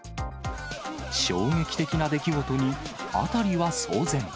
衝撃的な出来事に、辺りは騒然。